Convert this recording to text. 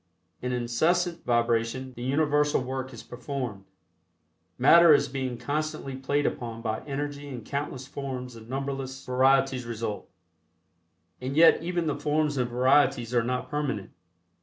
In incessant vibration the universal work is performed. Matter is being constantly played upon by energy and countless forms and numberless varieties result, and yet even the forms and varieties are not permanent.